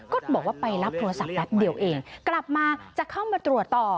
ก็บอกว่าไปรับโทรศัพท์แป๊บเดียวเองกลับมาจะเข้ามาตรวจต่อ